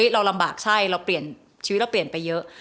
เราลำบากใช่เราเปลี่ยนชีวิตเราเปลี่ยนไปเยอะ